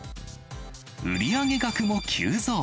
売り上げ額も急増。